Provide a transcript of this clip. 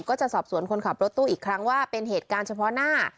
ก็จะสอบสวนคนขับรถตู้อีกครั้งว่าเป็นเหตุการณ์เฉพาะหน้า